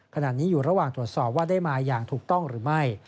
ขณะนี้อยู่ระหว่างตรวจสอบว่าได้มาอย่างถูกต้องหรือไม่